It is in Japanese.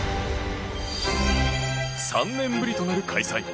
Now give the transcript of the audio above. ３年ぶりとなる開催。